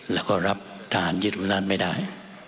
และก็รับทหารยิดละนั้นไม่ได้